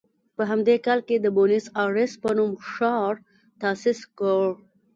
په همدې کال یې د بونیس ایرس په نوم ښار تاسیس کړ.